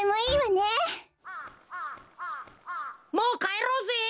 もうかえろうぜ。